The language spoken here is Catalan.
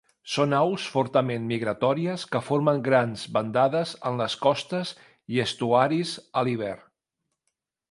Són aus fortament migratòries que formen grans bandades en les costes i estuaris a l'hivern.